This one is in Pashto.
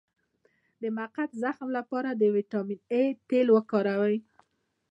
د مقعد د زخم لپاره د ویټامین اي تېل وکاروئ